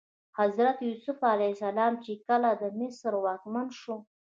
حضرت یوسف علیه السلام چې کله د مصر واکمن شو.